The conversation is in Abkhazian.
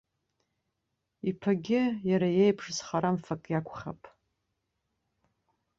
Иԥагьы, иара иеиԥш, зхарамфак иакәхап.